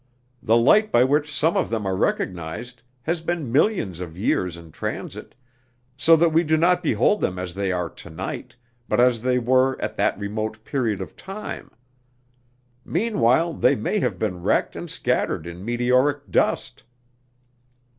The light by which some of them are recognized has been millions of years in transit, so that we do not behold them as they are tonight, but as they were at that remote period of time; meanwhile they may have been wrecked and scattered in meteoric dust."